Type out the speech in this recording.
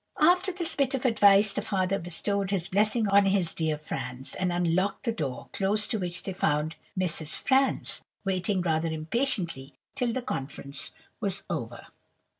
"After this bit of advice, the father bestowed his blessing on his dear Franz, and unlocked the door, close to which they found Mrs. Franz, waiting rather impatiently till the conference was over.